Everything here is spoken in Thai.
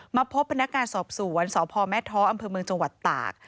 พบพนักงานสอบสวนสพแม่ท้ออำเภอเมืองจังหวัดตาก